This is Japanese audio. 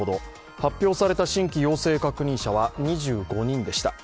発表された新規陽性確認者は２５人でした。